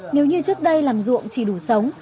nếu như trước đây làm ruộng chỉ đủ sống